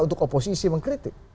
untuk oposisi mengkritik